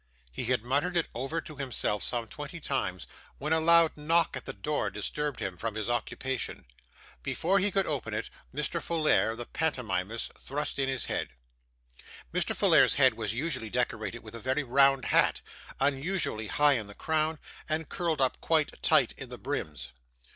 He had muttered it over to himself some twenty times, when a loud knock at the door disturbed him from his occupation. Before he could open it, Mr. Folair, the pantomimist, thrust in his head. Mr. Folair's head was usually decorated with a very round hat, unusually high in the crown, and curled up quite tight in the brims.